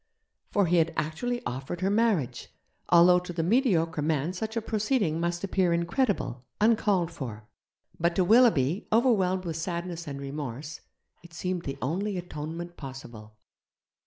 For he had actually offered her marriage, although to the mediocre man such a proceeding must appear incredible, uncalled for. But to Willoughby, overwhelmed with sadness and remorse, it seemed the only atonement possible.